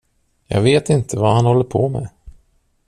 Jag vet inte vad han håller på med.